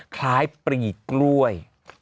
คล้ายปรีกล้วย